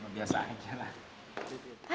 biasa aja lah